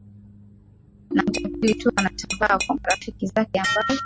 na mtapeli tu anatambaa kwa marafiki zake ambaye